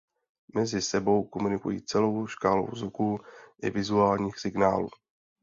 Mezi sebou komunikují celou škálou zvuků i vizuálních signálů.